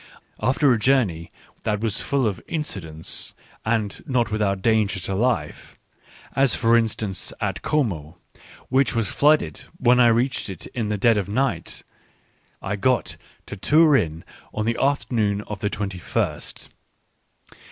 After a journey that was full of incid ents, and not without danger to life, — as for instance at Como, which was flooded when I reached it in the dead of night, — I got to Turin on the afternoon of the 2 1 st.